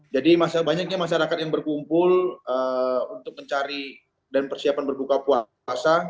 jadi banyaknya masyarakat yang berkumpul untuk mencari dan persiapan berbuka puasa